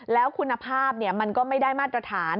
แล้วคุณภาพมันก็ไม่ได้มาตรฐาน